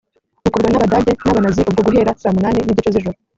bukorwa n’abadage b’abanazi ubwo guhera saa munani n’igice z’ijoro